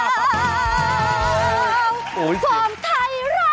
ร้อมไทรรัก